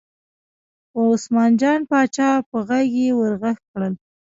وه عثمان جان پاچا په غږ یې ور غږ کړل.